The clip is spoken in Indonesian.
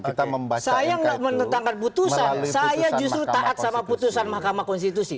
kita membaca mk itu melalui putusan mahkamah konstitusi